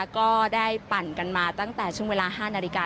ก็ได้ปั่นกันมาตั้งแต่ช่วงเวลา๕นาฬิกา